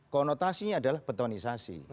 konotasinya adalah betonisasi